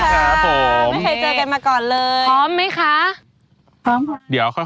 สวัสดีครับ